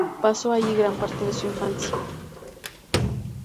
Pasó allí gran parte de su infancia.